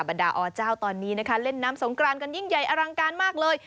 บรรดาอเจ้าตอนนี้นะคะเล่นน้ำสงกรานกันยิ่งใหญ่อลังการมากเลย